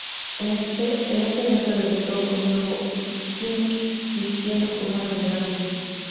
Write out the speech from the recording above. En ese evento, debutó con un nuevo gimmick, vistiendo como un aviador antiguo.